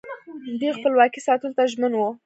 دوی خپلواکي ساتلو ته ژمن وو